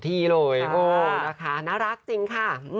ใหญ่มาก